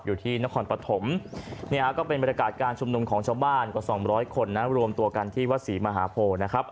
อยู่ที่นครปฐมเนี่ยก็เป็นบรรยากาศการชุมนุมของชาวบ้านกว่า๒๐๐คนนะรวมตัวกันที่วัดศรีมหาโพนะครับ